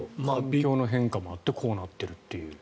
環境の変化もあってこうなってという。